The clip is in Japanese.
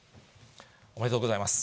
おめでとうございます。